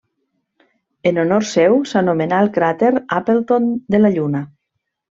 En honor seu, s'anomenà el cràter Appleton de la Lluna.